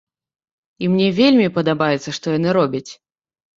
І мне вельмі падабаецца, што яны робяць.